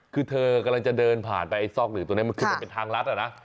คือเธอกำลังจะเดินผ่านไปไอ้ซอกหนึ่งตัวนี้มันคือมันเป็นทางลัดอ่ะนะ